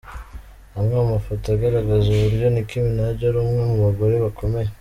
Amwe mu mafoto agaragaza uburyo Nick Minaj ari umwe mu bagore bakomeye .